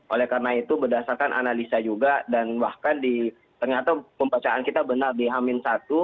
oleh karena itu berdasarkan analisa juga dan bahkan ternyata pembacaan kita benar di hamin satu